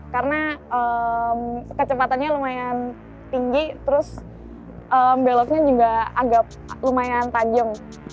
karena kecepatannya lumayan tinggi terus beloknya juga agak lumayan tajam